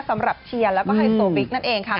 เชียร์แล้วก็ไฮโซบิ๊กนั่นเองค่ะ